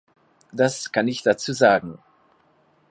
Das kann ich dazu sagen.